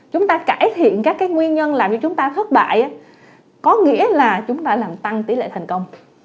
chúng ta cải thiện các nguyên nhân làm cho chúng ta thất bại có nghĩa là chúng ta làm tăng tỷ lệ thành công